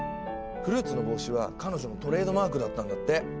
フルーツの帽子は彼女のトレードマークだったんだって。